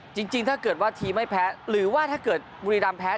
จริงถ้าเกิดว่าทีมไม่แพ้หรือว่าถ้าเกิดบุรีรำแพ้